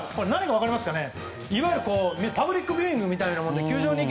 分かりますかね？